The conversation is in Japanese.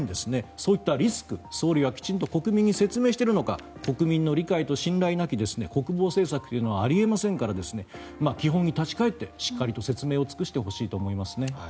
そういったリスク総理はきちんと国民に説明をしているのか国民の理解と信頼なき国防政策というのはあり得ませんから基本に立ち返ってしっかりと説明をしてほしいと思います。